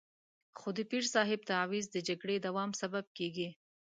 خو د پیر صاحب تعویض د جګړې دوام سبب کېږي.